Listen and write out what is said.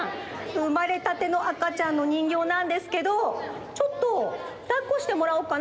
うまれたての赤ちゃんのにんぎょうなんですけどちょっとだっこしてもらおっかな？